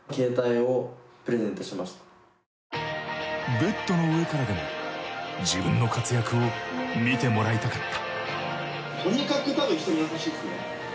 ベッドの上からでも自分の活躍を見てもらいたかった。